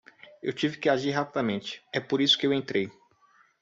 Eu tive que agir rapidamente? é por isso que eu entrei.